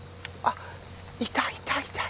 いたいた！